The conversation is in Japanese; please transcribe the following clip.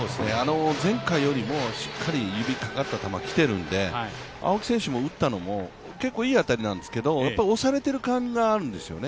前回よりもしっかり指がかかった球が来てるんで青木選手も打ったのも、結構いい球なんですけれども押されている感があるんですよね。